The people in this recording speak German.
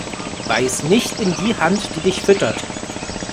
Beiß nicht in die Hand, die dich füttert.